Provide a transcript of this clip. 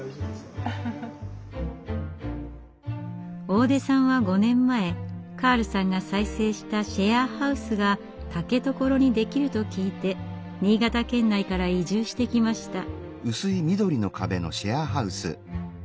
大出さんは５年前カールさんが再生したシェアハウスが竹所にできると聞いて新潟県内から移住してきました。